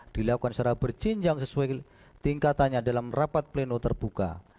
dilakukan secara berjinjang sesuai tingkatannya dalam rapat pleno terbuka